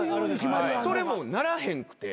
それもならへんくて。